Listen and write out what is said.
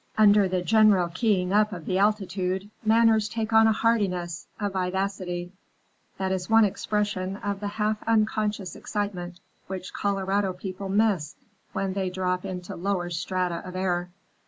Under the general keyingup of the altitude, manners take on a heartiness, a vivacity, that is one expression of the half unconscious excitement which Colorado people miss when they drop into lower strata of air.